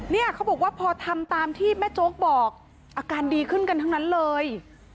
เนี่ยเขาบอกว่าพอทำตามที่แม่โจ๊กบอกอาการดีขึ้นกันทั้งนั้นเลย